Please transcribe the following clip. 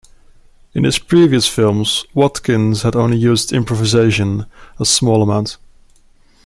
In his previous films, Watkins had only used improvisation a small amount.